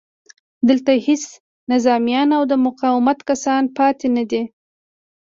دلته هېڅ نظامیان او د مقاومت کسان پاتې نه دي